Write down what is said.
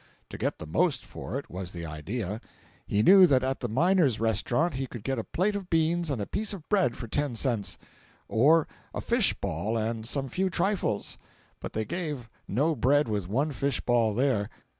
To get the most for it was the idea. He knew that at the Miner's Restaurant he could get a plate of beans and a piece of bread for ten cents; or a fish ball and some few trifles, but they gave "no bread with one fish ball" there.